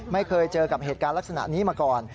ไม่เคยเจอกับเหตุการณ์ลักษณะนี้มาก่อน